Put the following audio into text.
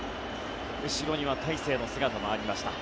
後ろには大勢の姿もありました。